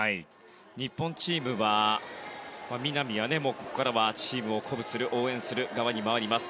日本チームは、南がここからはチームを鼓舞する応援する側に回ります。